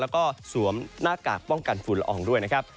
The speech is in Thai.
แล้วก็สวมหน้ากากป้องกันฝุ่นละอองด้วยนะครับ